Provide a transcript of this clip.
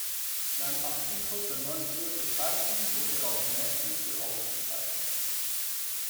In einem Artikel der Neuen Zürcher Zeitung wurde er als «Mädchen für alles» bezeichnet.